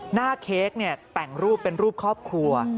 เค้กเนี่ยแต่งรูปเป็นรูปครอบครัว